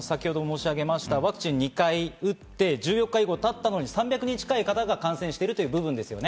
ワクチンを２回打って１４日以降たったのに、３００人近い方が感染しているという部分ですね。